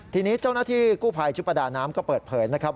ทีนี้เจ้าหน้าที่กู้ภัยชุดประดาน้ำก็เปิดเผยนะครับ